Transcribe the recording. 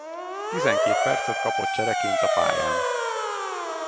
Tizenkét percet kapott csereként a pályán.